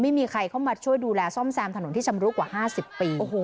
ไม่มีใครเข้ามาช่วยดูแลซ่อมแซมถนนที่ชำรุกว่า๕๐ปี